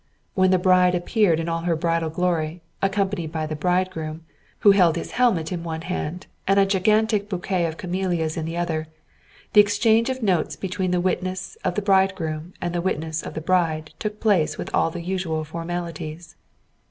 When the bride appeared in all her bridal glory, accompanied by the bridegroom, who held his helmet in one hand and a gigantic bouquet of camellias in the other, the exchange of notes between the witness of the bridegroom and the witness of the bride took place with all the usual formalities.